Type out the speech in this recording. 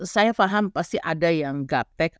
saya paham pasti ada yang gaptek